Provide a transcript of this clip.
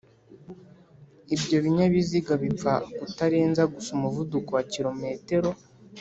ibyo binyabiziga bipfa kutarenza gusa umuvuduko wa kilometero